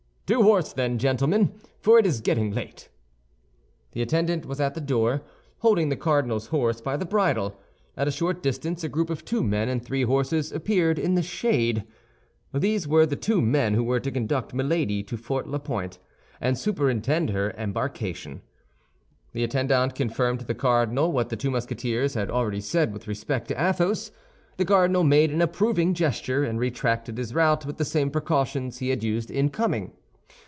"To horse, then, gentlemen; for it is getting late." The attendant was at the door, holding the cardinal's horse by the bridle. At a short distance a group of two men and three horses appeared in the shade. These were the two men who were to conduct Milady to Fort La Pointe, and superintend her embarkation. The attendant confirmed to the cardinal what the two Musketeers had already said with respect to Athos. The cardinal made an approving gesture, and retraced his route with the same precautions he had used in coming.